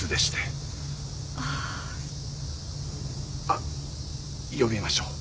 あっ呼びましょう。